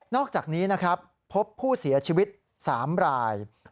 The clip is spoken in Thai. อกจากนี้นะครับพบผู้เสียชีวิต๓ราย